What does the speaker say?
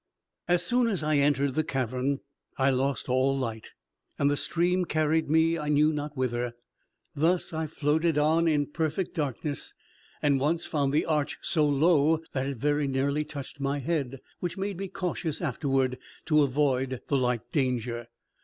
As soon as I entered the cavern I lost all light, and the stream carried me I knew not whither. Thus I floated on in perfect darkness, and once, found the arch so low that it very nearly touched my head, which made me cautious afterward to avoid the like danger.